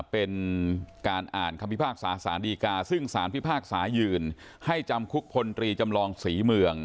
เป็นการอ่านคำพิพากษาสารดีกาซึ่งสารพิพากษายืนให้จำคุกพลตรีจำลองศรีเมือง